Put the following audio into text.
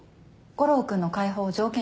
悟郎君の解放を条件にしたから